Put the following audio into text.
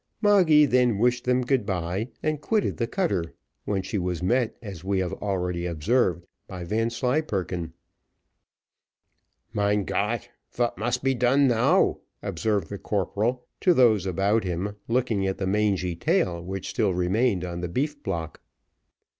Moggy then wished them good bye, and quitted the cutter, when she was met, as we have already observed, by Vanslyperken. "Mein Gott! vat must be done now?" observed the corporal to those about him, looking at the mangy tail which still remained on the beef block.